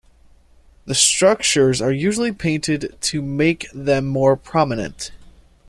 The structures are usually painted to make them more prominent.